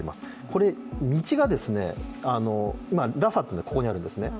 これ道が、ラファというのはここにあるんですね。